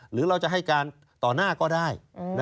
หรือเราจะให้การต่อหน้าก็ได้